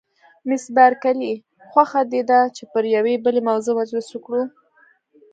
مس بارکلي: خوښه دې ده چې پر یوې بلې موضوع مجلس وکړو؟